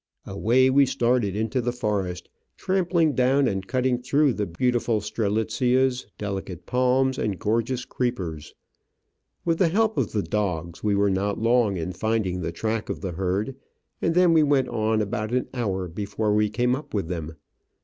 Away we started into the forest, trampling down and cutting through the beautiful strelitzias, delicate palms, and gorgeous creepers. With the help of the dogs, we were not long in finding the track of the herd, and then we went on about an hour before we came up with them.